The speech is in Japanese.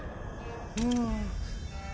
うん。